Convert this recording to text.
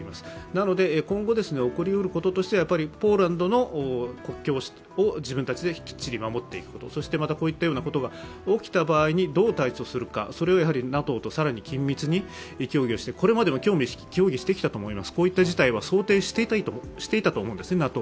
なので、今後、起こりうることとしては、ポーランドの国境を自分たちできっちり守っていくこと、そして、こういったことが起きた場合に、どう対処するかをＮＡＴＯと更に緊密に協議して、これまでも協議してきたと思います、こういった事態は想定していたと思うんです、ＮＡＴＯも。